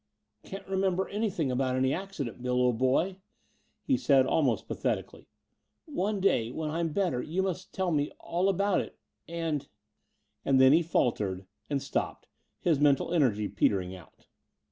"Can't remember anything about any accident, Bill, old boy," he said almost pathetically. "One day — ^when I'm better — ^you must tell me all about it— and " And then he faltered and stopped, his mental energy petering out.